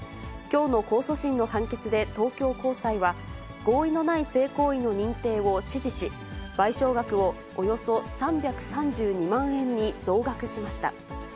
きょうの控訴審の判決で東京高裁は、合意のない性行為の認定を支持し、賠償額をおよそ３３２万円に増額しました。